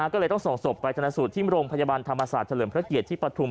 ก็เลยต้องส่งศพไปธนสูตรที่โรงพยาบาลธรรมศาสตร์เฉลิมพระเกียรติที่ปฐุม